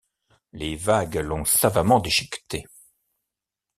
Les vagues l’ont savamment déchiquetée.